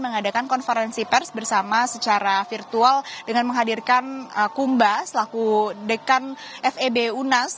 mengadakan konferensi pers bersama secara virtual dengan menghadirkan kumba selaku dekan feb unas